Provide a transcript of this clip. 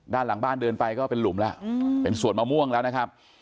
ด้านหลังบ้านเดินไปก็เป็นหลุมแล้วเป็นสวนมะม่วงแล้วนะครับ